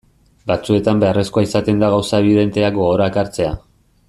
Batzuetan beharrezkoa izaten da gauza ebidenteak gogora ekartzea.